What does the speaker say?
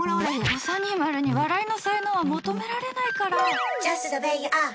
ぼさにまるに笑いの才能は求められないから！